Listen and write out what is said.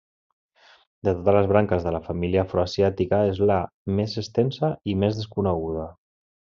De totes les branques de la família afroasiàtica és la més extensa i més desconeguda.